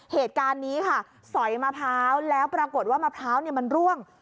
เหตุการณ์นี้ค่ะสอยมะพร้าวแล้วปรากฏว่ามะพร้าวมันร่วง